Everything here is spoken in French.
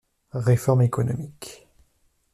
Réforme économique.